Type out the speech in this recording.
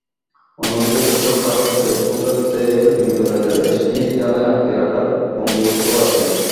অন্যদিকে দর্শক পাঠক ফেসবুকারদের বিনোদনের রেশমি জালে আটকে রাখার বন্দোবস্তও আছে।